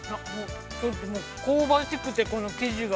◆香ばしくて、生地が。